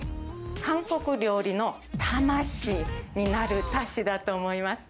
韓国料理の魂になるだしだと思います。